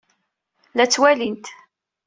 La ttwalint.